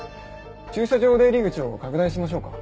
駐車場出入り口を拡大しましょうか？